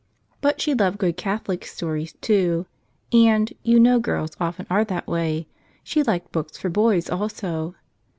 But she loved good Catholic story books, too. And — you know girls often are that way — she liked books for boys also.